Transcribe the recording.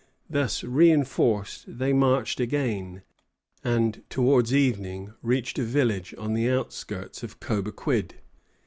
Thus reinforced, they marched again, and towards evening reached a village on the outskirts of Cobequid.